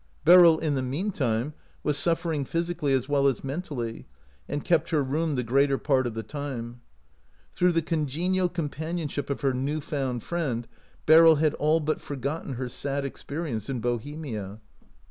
Beryl, in the mean time, was suffering physically as well as mentally, and kept her room the greater part of the time. Through the congenial companionship of her new found friend Beryl had all but forgotten her sad experience in Bohemia.